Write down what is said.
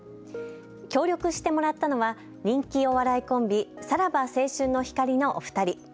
協力してもらったのは人気お笑いコンビ、さらば青春の光のお二人。